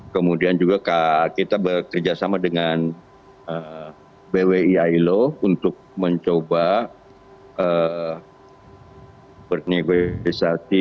kemudian juga kita bekerja sama dengan bwi ailo untuk mencoba berniegasiasi